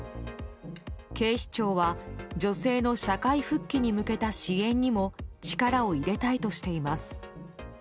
警視庁は女性の社会復帰に向けた支援にも力を入れたいとしています。